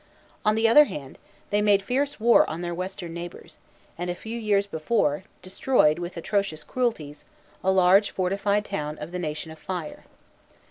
On the other hand, they made fierce war on their western neighbors, and, a few years before, destroyed, with atrocious cruelties, a large fortified town of the Nation of Fire.